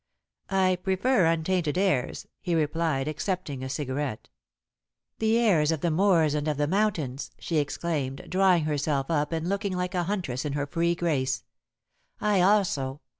"I prefer untainted airs," he replied, accepting a cigarette. "The airs of the moors and of the mountains," she exclaimed, drawing herself up and looking like a huntress in her free grace. "I also.